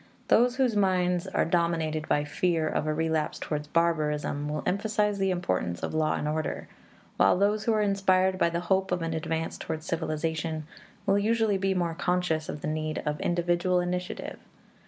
Those whose minds are dominated by fear of a relapse towards barbarism will emphasize the importance of law and order, while those who are inspired by the hope of an advance towards civilization will usually be more conscious of the need of individual initiative.